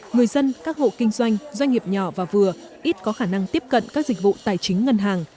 người dân các hộ kinh doanh doanh nghiệp nhỏ và vừa ít có khả năng tiếp cận các dịch vụ tài chính ngân hàng